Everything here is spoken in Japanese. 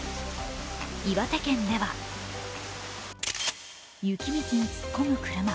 岩手県では雪道に突っ込む車。